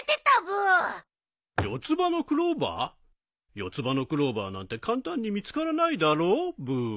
四つ葉のクローバーなんて簡単に見つからないだろうブー。